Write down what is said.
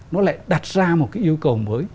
nó lại đặt ra một yêu cầu mới